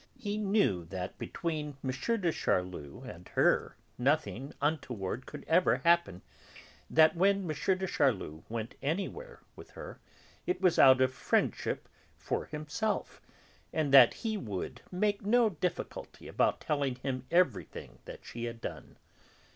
He knew that between M. de Charlus and her nothing untoward could ever happen, that when M. de Charlus went anywhere with her, it was out of friendship for himself, and that he would make no difficulty about telling him everything that she had done.